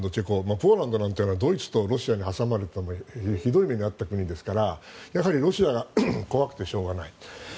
ポーランドはドイツとロシアに挟まれてひどい目に遭った国ですからやはりロシアが怖くてしょうがない。